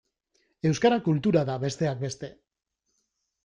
Euskara kultura da, besteak beste.